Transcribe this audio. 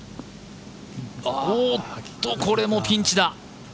おっと、これもピンチだ！